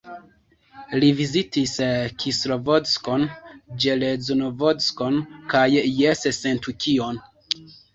Li vizitis Kislovodskon, Ĵeleznovodskon kaj Jessentuki-on.